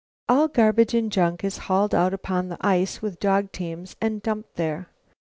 All garbage and junk is hauled out upon the ice with dog teams and dumped there.